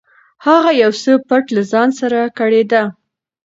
هغه یو څه پټ له ځانه سره ګړېده.